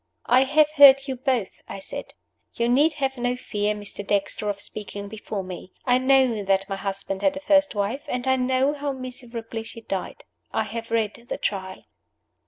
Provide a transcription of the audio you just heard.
"I have heard you both," I said. "You need have no fear, Mr. Dexter, of speaking before me. I know that my husband had a first wife, and I know how miserably she died. I have read the Trial."